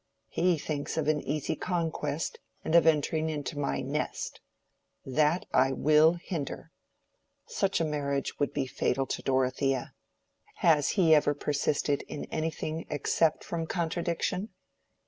He thinks of an easy conquest and of entering into my nest. That I will hinder! Such a marriage would be fatal to Dorothea. Has he ever persisted in anything except from contradiction?